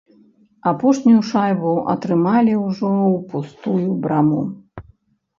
Апошнюю шайбу атрымалі ўжо ў пустую браму.